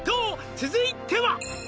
「続いては」